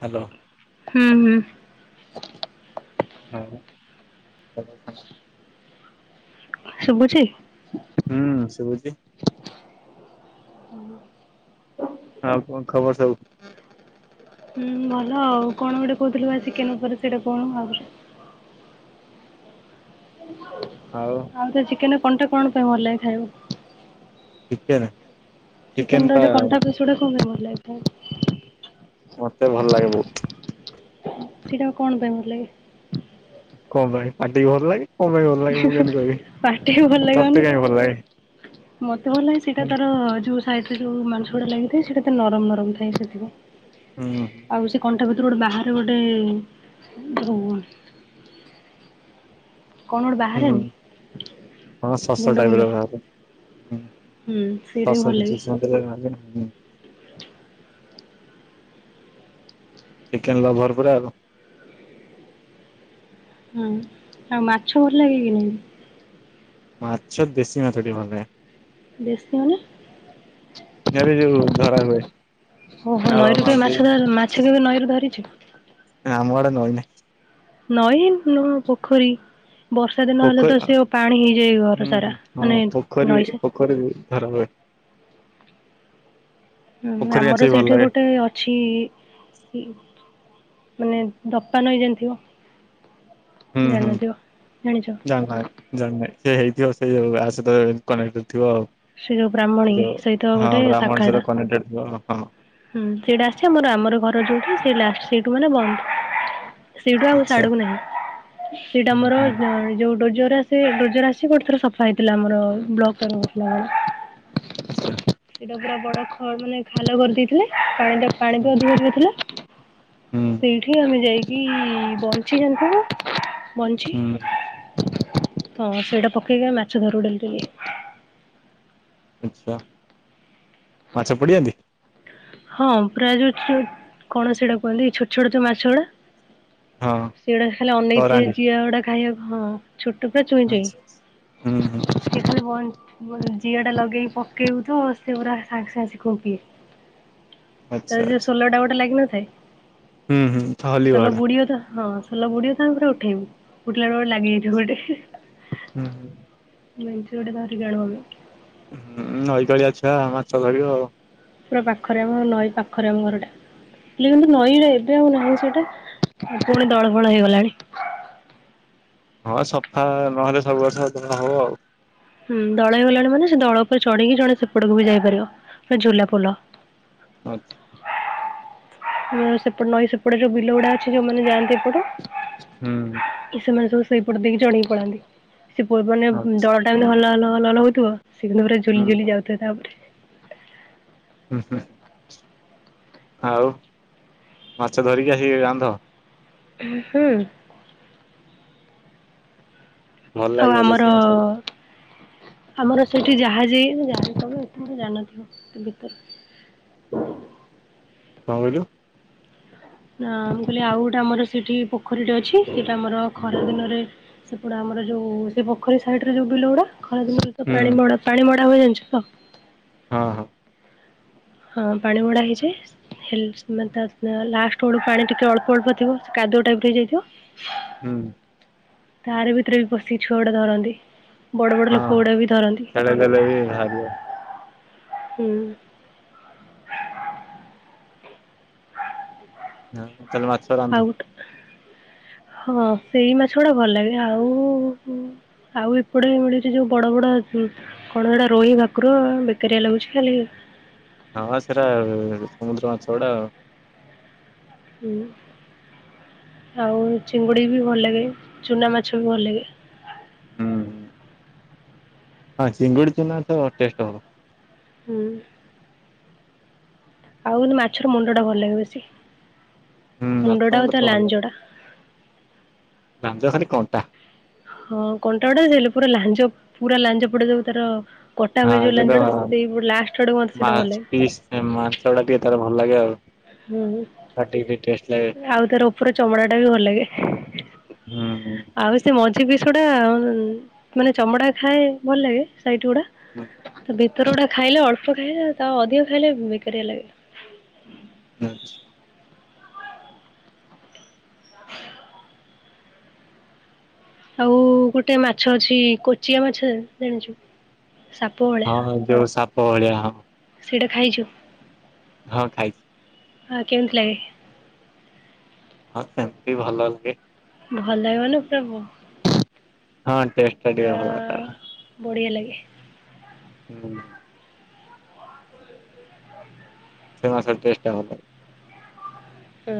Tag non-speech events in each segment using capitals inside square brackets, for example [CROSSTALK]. Hello. ହୁଁ ହୁଁ। Hello hello. ଶୁଭୁଛି? ହୁଁ ଶୁଭୁଛି। ହଁ କଣ ଖବର ସବୁ? ହୁଁ ଭଲ ଆଉ କଣ ଗୋଟେ କହୁଥିଲୁ ଚିକେନ୍ କରିଛୁ ସେଇଟା କଣ ହଉ। ଆଉ ସେ ଚିକେନ୍ ର କଣ୍ଟା କଣ ପାଇଁ ଭଲ ଲାଗେ ଖାଇଆକୁ? ଚିକେନ୍। ଚିକେନ୍ ର ଯୋଉ କଣ୍ଟା ପିସ୍ ଗୁଡାକ କଣ ପାଇଁ ଭଲ ଲାଗେ ଖାଇଆକୁ? ମତେ ଭଲ ଲାଗେ ବହୁତ୍। ସେଇଟା କଣ ପାଇଁ ଭଲ ଲାଗେ? କଣ ପାଇଁ, ପାଟିିକି ଭଲ ଲାଗେ କଣ ପାଇଁ ଭଲ ଲାଗେ ମୁଁ କେମିତି କହିବି? ପାଟିକି ଭଲ ଲାଗିବନି ତତେ କାହିଁ ଭଲ ଲାଗେ? ମତେ ଭଲ ଲାଗେ, ସେଇଟା ହୁଁ ତାର ଯୋଉ [UNINTELLIGIBLE] ଯୋଉ ମାଂସ ଗୁଡା ଲାଗିଥାଏ, ସେଟା ନରମ ନରମ ଥାଏ ସେଥିପାଇଁ। ହୁଁ ଆଉ ସେ କଣ୍ଟା ଗୋଟେ ବାହାରେ ଗୋଟେ [UNINTELLIGIBLE] କଣ ଗୋଟେ ହୁଁ ବାହାରେନି? ହଁ ଶ୍ୱାସ ଗୁଣ୍ଡ ଗୁଣ୍ଡ ଟାଇପର ବାହାରେ, ହୁଁ ହୁଁ ସେଇଟା ବି ଭଲ ଶ୍ୱାସ। ଲାଗେ। [UNINTELLIGIBLE] ଚିକେନ୍ ଲଭର୍ ପୁରା ଆଉ। ହୁଁ ଆଉ ମାଛ ଭଲ ଲାଗେ କି ନାହିଁ? ମାଛ ଦେଶି ମାଛ ଟିକେ ଭଲ ଲାଗେ। ଦେଶୀ ମାନେ? ଆରେ ଯୋଉ ଧରା ହୁଏ ଓ ହୋ ନାଳ ନଈରୁ କେବେ ନଦୀ ମାଛ ଧର ମା ମାଛ କେବେ ନଈରୁ ଧରିଛୁ? ଆମ ଆଡେ ନଈ ନାହିଁ। ନଈ ନୁହଁ ପୋଖରୀ। ବର୍ଷାଦିନ ହେଲେ ପୋଖରୀ ତ ସେ ପାଣି ହେଇଯାଏ ଘର ସାରା, ମାନେ ନଈସ କରିବି ଧର [UNINTELLIGIBLE] ହୁଁ ପୋଖରୀ ମାଛ ଆମର ବି ଭଲ ସେଇଠି ଲାଗେ। ଗୋଟେ ଅ ଛି ମାନେ ଦତା ନଈ ଜାଣିଥିବ? ହୁଁ- ହୁଁ ଜାଣିନଥିବ? ଜାଣିଛ [UNINTELLIGIBLE] ଭାର ଜାଣିନେଇ ସେ ହେଇଥିବ, ସେଇ ଆ ସହିତ କନେକ୍ଟ ଥିବ ଆଉ। ଯୋଉ ବ୍ରାହ୍ମଣୀ ସେ ଯୋଉ ସହିତ ହଁ ଗୋଟେ ବ୍ରାହ୍ମଣୀ ଶାଖାଟା। ସହିତ କନେକ୍ଟଡ୍ ଥିବ ଆଉ ହଁ। ହୁଁ ସେଇଟା ଆସିଛି ଆମର, ଆମର ଘର ଯୋଉଠି ସେ ଲାଷ୍ଟ ସେଇଠୁ ମାନେ ବନ୍ଦ। ସେଇଟୁ ଆଉ ଆଚ୍ଛା ସାଡୁକୁ ନାହିଁ, ସେଇଟା ହୁଁ ଆମର ହୁଁ। ଯୋଉ ଡୋଜର୍ ଆସି ସେ ଡୋଜର୍ ଆସି ଗୋଟେ ଥର ସଫା ହେଇଥିଲା ଆମର, ବ୍ଲକ ତରଫରୁ ନା କଣ। ଆଚ୍ଛା। ସେଇଟା ପୁରା ବଡ ଖ ମାନେ ଖାଲ କରିଦେଇଥିଲା, ପାଣିଟା ପାଣି ହୁଁ ବି ଅଧିକ ଅଧିକ ଥିଲା। ହୁଁ ସେଇଠି ଆମେ ଯାଇକି ବଇଁଞ୍ଚି ଜାଣିଥିବ? ବଇଁଞ୍ଚି, ହୁଁ ତ ସେଇଟା ପକେଇକି ମାଛ ଧରୁ ଡେଲି ଡେଲି। ଆଚ୍ଛା ମାଛ ପଡିଯାନ୍ତି? ହଁ ପୁରା ଯୋଉ କଣ ସେଇଟାକୁ କୁହନ୍ତି, ଛୋଟ ଛୋଟ ଯୋଉ ମାଛ ଗୁଡା? ହଁ ସେଗୁଡା ଖାଲି ଅନେଇ ଥିବେ କରାଣ୍ଡି ଜିଆ ଗୁଡା ଖାଇଆକୁ। ଛୋଟ ପୁରା ଚୁଇଁ ଆଚ୍ଛା ହୁଁ ଚୁଇଁ। ହୁଁ ସେ ଖାଲି ବ [UNINTELLIGIBLE] ଜିଆଟା ଲଗେଇକି ପକେଇବୁ ତ, ସେ ପୁରା ସାଙ୍ଗେ ସାଙ୍ଗେ ଆସିକି ଖୁମ୍ପିବେ। ଆଚ୍ଛା ତାର ଯୋଉ ଆଚ୍ଛା ଷୋଲୋଟା ଗୋଟେ ଲାଗିନଥାଏ, ହୁଁ ହୁଁ ଠହଲି ଷୋଲୋ ଗହଡା ବୁଡିବ ତ ହଁ ସୋଲ ବୁଡିବ ତ ଆମେ ପୁରା ଉଠେଇବୁ, ଉଠିଲା ବେଳେ ଲାଗିଯାଇଥିବ ଗୋଟେ ହି- ହି। ହୁଁ। ମେଞ୍ଚେ ଗୋଟେ ଧରିକି ଅଣୁ ଆମେ। ହୁଁ ନଈ ତଳିଆ ଛୁଆ ଆଉ, ମାଛ ଧରିବ ଆଉ। ପୁରା ପାଖରେ ଆମ, ନଈ ପାଖରେ ଆମ ଘରଟା। [UNINTELLIGIBLE] ନଈଟା ଏବେ ଆଉ ନାହିଁ ସେଇଟା, ଆଉ ପୁଣି ଦଳ ଫଳ ହେଇଗଲାଣି। ହଁ ସଫା ନହେଲେ ସବୁ ବର୍ଷ ଦଳ ହବ ଆଉ। ହୁଁ ଦଳ ହେଇଗଲାଣି ମାନେ, ସେ ଦଳ ଉପରେ ଚଢିକି ଜଣେ ସେପଟକୁ ବି ଯାଇପାରିବ। ପୁରା ଝୁଲା ପୋଲ। ଆଚ୍ଛା। ସେପଟ ନଈ ସେପଟେ ଯୋଉ ବିଲ ଗୁଡା ଅଛି, ଯୋଉମାନେ ଯାଆନ୍ତି ଏପଟୁ। ହୁଁ ସେମାନେ ସବୁ ସେଇପଟ ଦେଇକି ଚଢ଼ିକି ପଳାନ୍ତି ସେ ମାନେ ଆଚ୍ଛା ଦଳ ଟା ଏମତି ହଲ ହଲ ହଲ ହଲ ହଉଥିବ। [UNINTELLIGIBLE] ଝୁଲି ହୁଁ ଝୁଲି ଯାଉଥାଏ ତାପରେ ହୁଁ ହୁଁ। ଆଉ ମାଛ ଧରିକି ଆସିକି ରାନ୍ଧ? ହୁଁ। ଭଲ ଆଉ ଲାଗିବ ଦେଶୀ ଆମର ମାଛ ଗୁଡା। ଆମର ସେଇଠି ଜାହାଜ ହେଇ [UNINTELLIGIBLE] ଜାଣିନଥିବ ଭିତରେ। କଣ କହିଲୁ? ନା ମୁଁ କହିଲି ଆଉ ଗୋଟେ ଆମର ସେଠି ପୋଖରୀଟେ ଅଛି ସେଇଟା ଆମର ଖରା ଦିନରେ ସେ ପଟେ ଆମର ଯୋଉ ସେ ପୋଖରୀ ସାଇଡରେ ଯୋଉ ବିଲ ଗୁଡା ଖରା ଦିନରେ ତ ହୁଁ ପାଣି ମଡା ପାଣି ମଡା ହୁଏ ଜାଣିଛ ତ? ହଁ ହଁ। ହଁ ପାଣି ମଡ଼ା ହେଇଛି। ହେଲେ [UNINTELLIGIBLE] ଲାଷ୍ଟ ବେଳୁ ପାଣି ଟିକେ ଅଳ୍ପ ଅଳ୍ପ ଥିବ କାଦୁଅ ଟାଇପ ର ହେଇଯାଇଥିବ। ହୁଁ। ତାର ଭିତରେ ବି ପଶିକି ଛୁଆଗୁଡା ଧରନ୍ତି। ବଡ଼ ବଡ଼ ହଁ ଲୋକ ହଁ ଗୁଡ଼ା ବି ଧରନ୍ତି ଛାଡେଇ ଦେଲେ ବି ବାହାରିବ। ହୁଁ। ହଁତାହେଲେ ମାଛ ଆଉ ରାନ୍ଧୁ। ଗୋଟେ ହଁ ସେଇ ମାଛ ଗୁଡା ଭଲ ଲାଗେ ଆଉ ଆଉ ଏପଟେ ମିଳୁଛି ଯୋଉ ବଡ ବଡ କଣ ଏଟା ରୋହି ଭାକୁର ବେକାରିଆ ଲାଗୁଛି ଖାଲି ହଁ ବା ସେଟା ସମୁଦ୍ର ମାଛ ଗୁଡା ଆଉ। ହୁଁ ଆଉ ଚିଙ୍ଗୁଡ଼ି ବି ଭଲ ଲାଗେ ଚୁନା ମାଛ ବି ଭଲ ଲାଗେ। ହୁଁ ହୁଁ। ହଁ ଚିଙ୍ଗୁଡି ଚୁନା ମାଛ ଟେଷ୍ଟ ଭଲ। ହୁଁ। ଆଉ କିନ୍ତୁ ମାଛର ମୁଣ୍ଡ ଟା ଭଲ ଲାଗେ ବେଶୀ ହୁଁ ମାଛ ମୁଣ୍ଡ ଟା ହଉ ତା ତ ଭଲ ଲାଞ୍ଜ ଟା। ଲାଞ୍ଜ ଖାଲି କଣ୍ଟା। ହଁ କଣ୍ଟା ଗଟା ହେଲେ ପୁରା ଲାଞ୍ଜ ପୁରା ଲାଞ୍ଜ ପଟ ଯୋଉ ତାର କଟା ହୁଏ ହଁ ଯୋଉ କିନ୍ତୁ ଲାଞ୍ଜ ଟା ସେଇ ପ ଲାଷ୍ଟ ଆଡ଼କୁ ମତେ ମା ସେଇଟା ଭଲ ଲାଗେ। ପିସ୍ ମାଂସ ଗୁଡା ଟିକେ ତାର ଭଲ ଲାଗେ ଆଉ। ହୁଁ। ପାଟି କି ଟିକେ ଟେଷ୍ଟ ଲାଗେ। ଆଉ ତାର ଉପର ଚମଡ଼ା ଟା ବି ଭଲ ଲାଗେ ହୁଁ ଆଉ ସେ ମଝି ପିସ୍ ଗୁଡ଼ା ମାନେ ଚମଡା ଖାଏ ଭଲ ଲାଗେ ସାଇଟ ଗୁଡା ହୁଁ। ଭିତର ଗୁଟା ଖାଇଲେ ଅଳ୍ପ ଖାଇଲେ ତା ଅଧିକ ଖାଇଲେ ବେକାରିଆ ଲାଗେ। ଆଚ୍ଛା। ଆଉ ଗୋଟେ ମାଛ ଅଛି କୋଚିଆ ମାଛ ଜାଣିଛୁ ସା ହଁ ହଁ ଯୋଉ ସାପ ଭଳିଆ ହଁ। ସେଇଟା ଖାଇଛୁ? ହଁ ଖାଇ ହଁ କେମିତି ଲାଗେ? ହଁ ସେମିତି ଭଲ ଲାଗେ। ଭଲ ଲାଗେ ମାନେ ପୁରା ହଁ ଟେଷ୍ଟ ଟା ଟିକେ ପୁରା ଭଲ ତାର। ବଢ଼ିଆ ଲାଗେ। ହୁଁ। ସେ ମାଛର ଟେଷ୍ଟ ଟା ଭଲ ଲାଗେ। ହଁ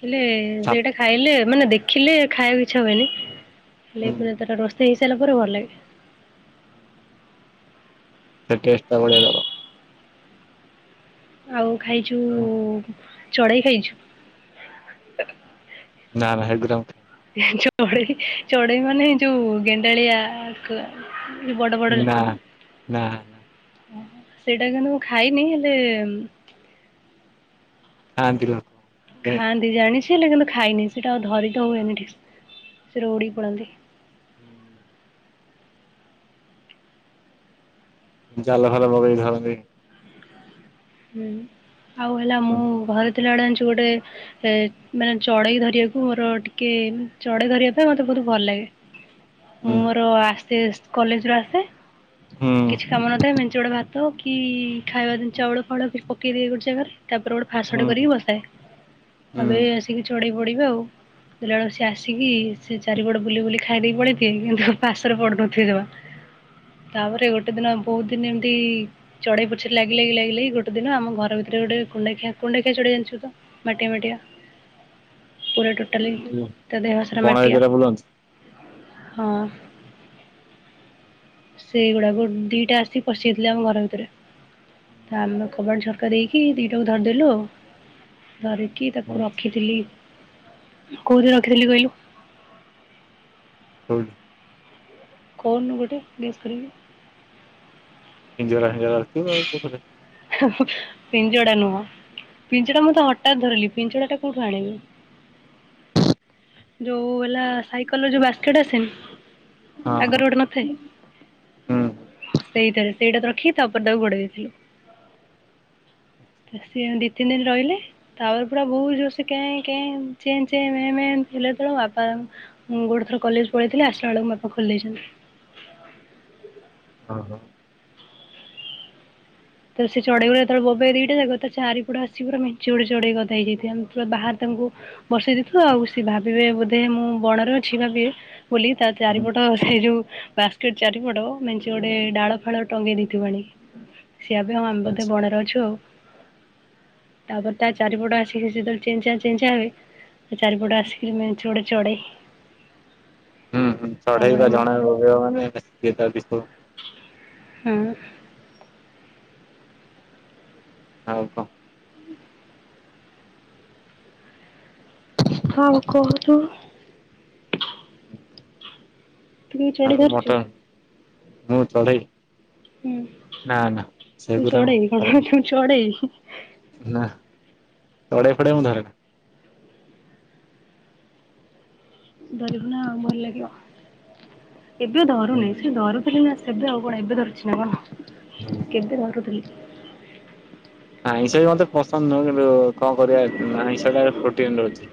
ଥିଲେ ସା ସେଇଟା ଖାଇଲେ ମାନେ ଦେଖିଲେ ଖାଇବାକୁ ଇଛା ହୁଏନି ହେଲେ ହୁଁ। ମାନେ ତାର ରୋଷେଇ ହେଇସାରିଲା ପରେ ଭଲ ଲାଗେ। ତା ଟେଷ୍ଟ ଟା ବଢ଼ିଆ ଦବ। ଆଉ ଖାଇଛୁ ଚଢେଇ ଖାଇଛୁ। ନା ନା ହେଗୁରା ମୁ ଚଢେଇ ଚଢେଇ ମାନେ ଯୋଉ ଗେଣ୍ଡାଳିଆ ବଡ଼ ବଡ଼ ନା। ନା ନା ସେଇଟା କିନ୍ତୁ ମୁଁ ଖାଇନି ହେଲେ ଖାନ୍ତି ଲୋ। ଖାଆନ୍ତି ଜାଣିଛି ହେଲେ କିନ୍ତୁ ଖାଇନି ସେଇଟା ଆଉ ଧରି ତ ହୁଏନିଠିକ ସେ ରେ ଉଡ଼ି କି ପଳାନ୍ତି। ଉଁ ଜାଲ ଫାଲ ପକେଇ ଧରନ୍ତି। ହୁଁ ଆଉ ହେଲା ମୁଁ ହୁଁ ଘରେ ଥିଲା ବେଳେ ଜାଣିଚୁ ଗୋଟେ ମାନେ ଚଢେଇ ଧରିବାକୁ ମୋର ଟିକେ ଚଢେଇ ଧରିବା ପାଇଁ ମତେ ବହୁତ ଭଲ ଲାଗେ। ମୁଁ ମୋର ଆସ୍ତେ କଲେଜ ରୁ ଆସେ। ହୁଁ କିଛି କାମ ନଥାଏ ମେନ୍ଚଡ଼ ଭାତ କି ଖାଇବା ଦିନ ଚାଉଳ ଫାଉଳ ବି ପକେଇ ଦିଏ ଗୋଟେ ଜାଗାରେ ତାପରେ ଗୋଟେ ଫାସ ଟେ ହୁଁ କରିକି ହୁଁ। ବସାଏ ହୁଁ ଏବେ ଆସିକି ଚଢେଇ ପଡିବ ଆଉ। ଦେଖିଲାବେଳକୁ ସେ ଆସିକି ସେ ଚାରିପଟ ବୁଲି ବୁଲି ଖାଇ ଦେଇକି ପଳେଇଥିବେ କିନ୍ତୁ ପାସରେ ପଡ଼ୁନଥିବେ ଜମା। ତାପରେ ଗୋଟେ ଦିନ ବହୁତ ଦିନ ଏମତି ଚଢେଇ ପଛରେ ଲାଗି ଲାଗି ଲାଗି ଗୋଟେ ସେ ଦିନ ଆମ ଘର ଭିତରେ ଗୋଟେ କୁଣ୍ଡା ଖିଆ କୁଣ୍ଡା ଖିଆ ଚଢେଇ ଜାଣିଥିବ ତ ମାଟିଆ ମାଟିଆ ପୁରା ଟୋଟାଲି ତା ଦେହସାରା ବଣ ମାଟିଆ ଏରିଆରେ ବୁଲନ୍ତି? ହଁ। ସେଇଗୁଡା ଗ ଦିଟା ଆସି ପଶି ଯାଇଥିଲେ ଆମ ଘର ଭିତରେ। ତା ଆମର କବାଟ ଝରକା ଦେଇକି ଦିଟାକୁ ଧରିଦଲୁ ଆଉ। ଧରିକି ତାକୁ କୋଉଠି ରଖିଥିଲି କୋଉଠି ରଖିଥିଲି କହିଲୁ। କୋଉଠି? କହନୁ ଗୋଟେ ଗେସ୍ କରିକି। ପିଞ୍ଜରା ଫିଞ୍ଜରା ରଖିଥିବୁ ଆଉ କୋଉଥିରେ। ପିଞ୍ଜଡା ନୁହଁ ପିଞ୍ଜଡା ମୁଁ ତ ହଠାତ୍ ଧରିଲି ପିଞ୍ଜଡା ଟା କୋଉଠୁ ଆଣିବି। ଯୋଉ ହେଲା ସାଇକେଲ ଯୋଉ ବାସ୍କେଟ ଆସେନି ହଁ ହଁ ଆଗରେ ଗୋଟେ ନଥାଏ। ହୁଁ। ସେଇତାରେ ସେଇଟା ତ ରଖିକି ତାପରେ ତାକୁ ଘୋଡେଇ ଦେଇଥିଲୁ। ସିଏ ଦି ତିନି ଦିନ ରହିଲେ ତାପରେ ପୁରା ବହୁ ଯରସେ କେଁ କେଁ ଚେଁ ଚେଁ ମେଁ ମେଁ। ହେଲେ ଏତେବେଳେ ବାପା ମୁଁ ଗୋଟେ ଥର କଲେଜ ପଳେଇି ଥିଲି ଆସିଲା ବେଳକୁ ବାପା ଖୋଲି ଦେଇଛନ୍ତି। ଓହୋ ତ ସେ ଚଢେଇ ଯେତେବେଳେ ବୋବେଇ ଦିଟା ଯାକ ଚାରିପଟ ଆସି ପୁରା ମେନ୍ଚେ ଗୁରା ଚଢେଇ ଗଦା ହେଇଯାଇଥିବେ ଆମ ବାହାରେ ତାଙ୍କୁ ବର୍ଷେଇ ଦେଇଥୁ ଆଉ ସିଏ ଭାବିବେ ବୋଧେ ମୁଁ ବଣରେ ଅଛି ଭାବିବେ ବୋଲି ତା ହୁଁ ଚାରିପଟ ସେଇ ଯୋଉ ବାସ୍କେଟ ଚାରିପଟ ମେଞ୍ଚେ ଗୋଟେ ଡାଳ ଫାଳ ଟଙ୍ଗେଇ ଦେଇଥିବୁ ଆଣିକି। ସିଏ ଭାବିବେ ଆଉ ଆମେ ବୋଧେ ଆଚ୍ଛା ବଣରେ ଅଛୁ ଆଉ। ତାପରେ ତା ଚାରିପଟ ଆସିକି ସେଯେତେବେଳେ ଚେଁ ଚାଁ ଚେଁ ଚାଁ ହେବେ ଚାରିପଟେ ଆସିକିରି ମେଞ୍ଚେ ଗୁଡେ ଚଡ଼େଇ ଚଢେଇବା ଜଣେ ବୋବେଇବ ମାନେ [UNINTELLIGIBLE] ହଁ ଆଉ କଁ? ଆଉ କହୁନୁ। ତୁ କେବେ ଚଢ଼େଇ ଆଉ ଧରିଛୁ? ମୋଟନ୍ ମୁଁ ଚଢେଇ। ହୁଁ ନା ନା ସେଗୁରା ଚଢେଇ ନା ଚଡ଼େଇ ଫଡ଼େଇ ମୁ ଧର ଧରିବୁ ନା ଭଲ ଲାଗିବ ଏବେ ଧରୁନାହିଁ। ସେ ଧରୁଥିଲେ ନା ସେବେ ଆଉ କଣ ଏବେ ଧରୁଛି ନା କଣ କେବେ ଧରୁଥିଲି। ଆଇଁଷ ବି ମତେ ପସନ୍ଦ ନୁହଁ କିନ୍ତୁ କଣ କରିବା ଆଇଁଷଟା ପ୍ରୋଟିନ ରହୁଛି।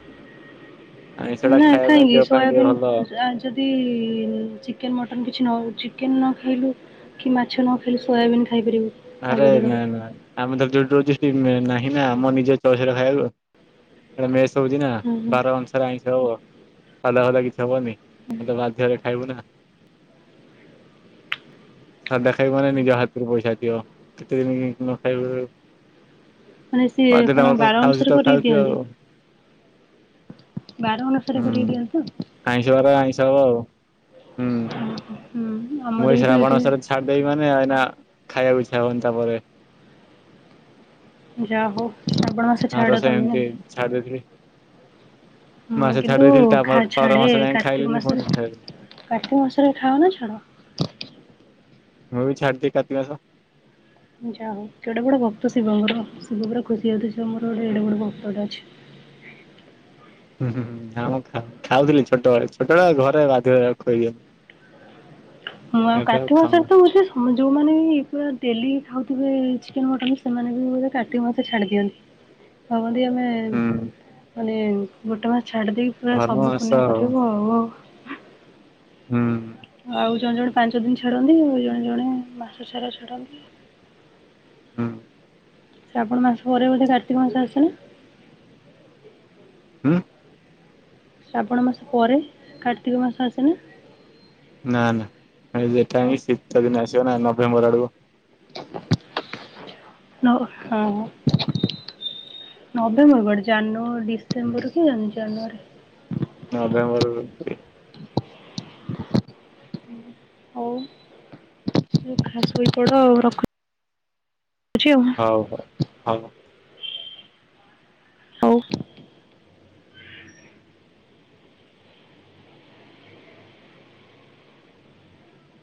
ଆଇଁଷଟା ନା ଖାଇବା ପାଇଁ କାହିଁକି ଦେହ ପାଇଁ ଟିକେ ଭଲ। ସୋୟାବନ୍ ଯଦି ଚିକେନ୍ ମଟନ୍ କିଛି ନ ଚିକେନ୍ ନ ଖାଇଲୁ କି ମାଛ ନ ଖାଲି ସୋୟାବିନ୍ ଖାଇପାରିବୁ। ତା ଆରେ ବଦଳରେ। ନାଇଁ ନାଇଁ ଆମେ ତ ଯୋଉଠି ରହୁଛ [UNINTELLIGIBLE] ନାହିଁ ନା ଆମ ନିଜେ ଚହେର ଖାଇବାକୁ। ଏବେ ମେସ୍ ହଉଛି ନା ହୁଁ ହୁଁ। ବାର ଅନସାରେ ଆଇଁଷ ହବ ସାଧା ଫାଦା କିଛି ହବନି ମତେ ବାଧ୍ୟ ରେ ଖାଇବୁ ନା ସାଧା ଖାଇବୁ ମାନେ ନିଜ ହାତରୁ ପଇସା ଦିଅ। କେତେ ଦିନ ନ ଖାଇବ। ମାନେ ସିଏ କଣ ବାର ଖାଉଛୁ ତ ଅନୁସାରେ କରିକି ଖାଉଛୁ ଆଉ। ଦିଅନ୍ତି। ବାର ଅନୁସାରେ ହୁଁ କରିକି ଦିଅନ୍ତି ଆଉ। ଆଇଁଷ ବାରେ ଆଇଁଷ ହବ ଆଉ ହୁଁ। ହୁଁ ମୁଁ ଆମର ଏଇ ବି ତ ଶ୍ରାବଣ ଏଇଠି ମାସ ରେ ଛାଡି ଦେବି ମାନେ ଏଇନା ଖାଇବାକୁ ଇଛା ହବନି ତାପରେ। ଯା ହଉ ଆପଣ ଆର ବର୍ଷ ଏମିତି ଛାଡି ଦେଇଥିଲି। ମୁଁ ମାସେ କିନ୍ତୁ ଛାଡ଼ି ଦେଇଥିଲି ତା ଖା ପର ପର ମାସ ଯାଏଁ ଖାଇଲିନି ପୁଣି ଖାଇଲି। କଟ ମାସରେ ରେ ଖାଅ ନା ଛାଡ଼? ମୁଁ ବି ଛାଡିଦିଏ କାର୍ତିକ ମାସ। ଯା ହଉ କେଡେ ବଡ ଭକ୍ତ ଶିବଙ୍କର ଶିବ ପୁରା ଖୁସି ହଉଥିବେ ଶିବଙ୍କର ଗୋଟେ ଏଡେ ବଡ ଭକ୍ତ ଟେ ଅଛି। ହୁଁ ହୁ ହୁଁ ଆଁ ମ ଖାଉଥିଲି ଛୋଟବେଳେ ଛୋଟବେଳେ ଘରେ ବାଧ୍ୟରେ ଖଇ ମୁଁ ଆଉ କାର୍ତିକ ମାସା ରେ ଖାଉନା। ତ ମୁଁ ସେ ହଁ ଯଉମାନେ ବି ପୁରା ଡେଲି ଖାଉଥିବେ ଚିକେନ୍ ମଟନ୍ ସେମାନେ ବି ବୋଧେ କାର୍ତିକ ମାସରେ ଛାଡ଼ିଦିଅ ଭାବନ୍ତି ଆମେ ହୁଁ ମାନେ ଗୋଟେ ମାସ ଛାଡି ଦେଇକି ପୁରା ଧର୍ମ ସବୁ ମାସ ପୁଣ୍ୟ କରିବୁ ଆଉ ହଉ ହୁଁ। ଆଉ ଜଣେ ଜଣେ ପାଞ୍ଚ ଦିନ ଛାଡ଼ନ୍ତି ଆଉ ଜଣେ ଜଣେ ମାସ ସାରା ଛାଡ଼ନ୍ତି। ହୁଁ। ଶ୍ରାବଣ ମାସ ପରେ ବଧେ କାର୍ତ୍ତିକ ମାସ ଆସେନା। ହୁଁ। ଶ୍ରାବଣ ମାସ ପରେ କାର୍ତ୍ତିକ ମାସ ଆସେ ନା? ନା ନା ସେଟା ହିଁ ଶୀତ ଦିନେ ଆସିବ ନା ନଭେମ୍ବର ଆଡ଼କୁ। ନ ହଁ। ନଭେମ୍ବର କୁଆଡେ ଜାନୁ ଡିସେମ୍ବର କି ଜାନୁଆରୀ। ନଭେମ୍ବର ଖଇ ସୋଇପଡ ଆଉ ରଖୁ ଚି ଆଉ। ହଉ ହଉ ହଉ। ହଉ।